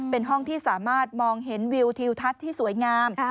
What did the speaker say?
เป็นห้องที่สามารถมองเห็นวิวทิวทัศน์ที่สวยงาม